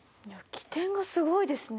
機転がすごいですね